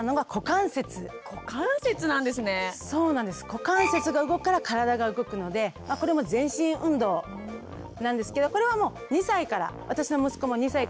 股関節が動くから体が動くのでこれも全身運動なんですけどこれはもう２歳から私の息子も２歳からやっていて。